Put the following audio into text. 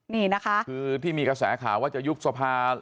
นี่นะคะคือที่มีกระแสข่าวว่าจะยุบสภา